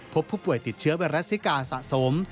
พบผู้ป่วยติดเชื้อไวรัสซิกาสะสม